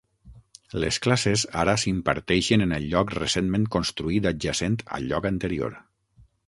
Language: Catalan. Les classes ara s'imparteixen en el lloc recentment construït adjacent al lloc anterior.